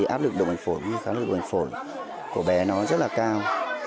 áp lực đụng bệnh phổi và khám lực đụng bệnh phổi của bé nó rất là cao